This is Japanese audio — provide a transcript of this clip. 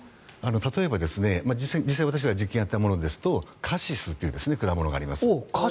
例えば、実際私らが実験をやったものですとカシスという果物があります。